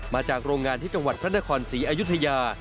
มาจากโรงงานที่จังหวัดพระนครศรีอยุธยา